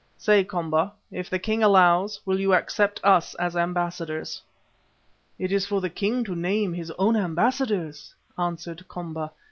Say, Komba, if the king allows, will you accept us as ambassadors?" "It is for the king to name his own ambassadors," answered Komba.